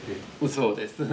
そうです。